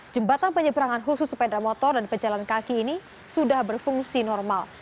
jembatan penyeberangan khusus sepeda motor dan pejalan kaki ini sudah berfungsi normal